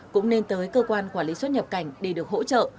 cũng nên tới cơ quan quản lý xuất nhập cảnh để được hỗ trợ